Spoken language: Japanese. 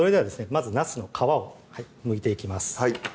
まずなすの皮をむいていきます